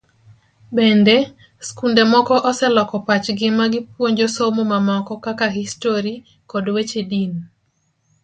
Bende, skunde moko oseloko pachgi ma gipuonjo somo mamoko kaka Histori kod weche din.